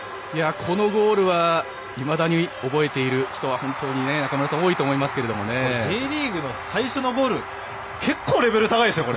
このゴールはいまだに覚えている人はＪリーグの最初のゴール結構レベル高いですよ。